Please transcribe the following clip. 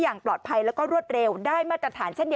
อย่างปลอดภัยแล้วก็รวดเร็วได้มาตรฐานเช่นเดียว